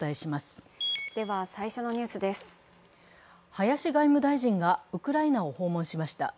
林外務大臣がウクライナを訪問しました。